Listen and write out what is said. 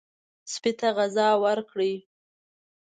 سپي ته غذا ورکړئ.